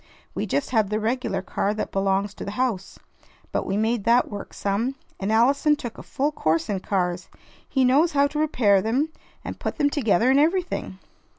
We just had the regular car that belongs to the house. But we made that work some. And Allison took a full course in cars. He knows how to repair them, and put them together, and everything."